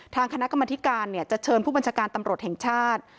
ทางคณะกรรมธิการจะเชิญผู้บัญชาการตำรวจแห่งชาติ